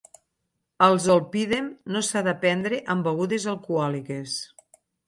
El zolpidem no s'ha de prendre amb begudes alcohòliques.